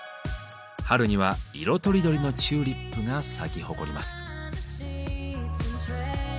春には色とりどりのチューリップが咲き誇ります。